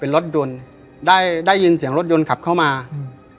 เป็นรถยนต์ได้ได้ยินเสียงรถยนต์ขับเข้ามาอืม